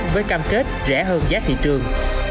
với cam kết rẻ hơn giá thị trường